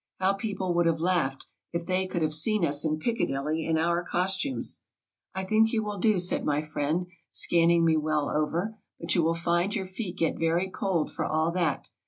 How people would have laughed if they could have seen us 302 TRAVELERS AND EXPLORERS in Piccadilly in our costumes! " I think you will do," said my friend, scanning me well over; " but you will find your feet get very cold, for all that.